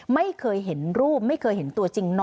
ไม่เคยเห็นรูปไม่เคยเห็นตัวจริง